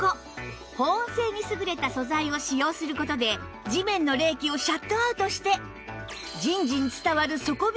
保温性に優れた素材を使用する事で地面の冷気をシャットアウトして